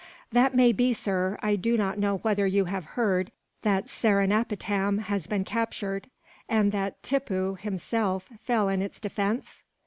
"That may be, sir. I do not know whether you have heard that Seringapatam has been captured, and that Tippoo, himself, fell in its defence?"